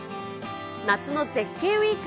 夏の絶景ウィーク。